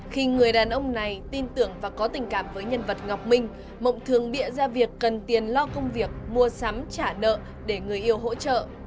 khi người đàn ông này tin tưởng và có tình cảm với nhân vật ngọc minh mộng thường bịa ra việc cần tiền lo công việc mua sắm trả nợ để người yêu hỗ trợ